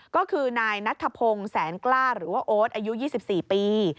ก็คือนายนัทธพงศ์แสนกล้าหรือว่าโอ๊ตอายุ๒๔ปี